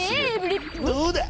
どうだ？